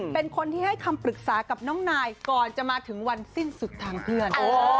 เป็นคนที่ให้คำปรึกษากับน้องนายก่อนจะมาถึงวันสิ้นสุดทางเพื่อน